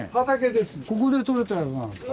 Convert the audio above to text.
ここでとれたやつなんですか？